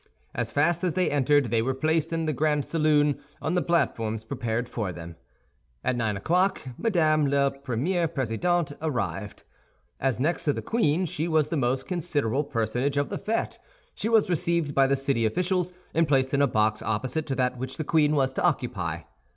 As fast as they entered, they were placed in the grand saloon, on the platforms prepared for them. At nine o'clock Madame la Première Présidente arrived. As next to the queen, she was the most considerable personage of the fête, she was received by the city officials, and placed in a box opposite to that which the queen was to occupy.